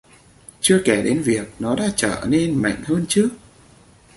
Chưa kể đến việc nó đã trở nên mạnh hơn trước